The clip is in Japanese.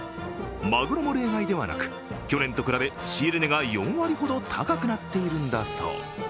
まぐろも例外ではなく、去年と比べ仕入れ値が４割ほど高くなっているんだそう。